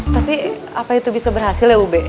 tapi apa itu bisa berhasil ya ub